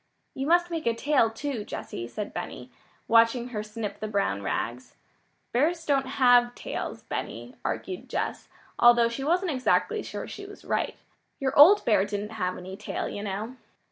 "You must make a tail, too, Jessy," said Benny, watching her snip the brown rags. "Bears don't have tails, Benny," argued Jess although she wasn't exactly sure she was right. "Your old bear didn't have any tail, you know."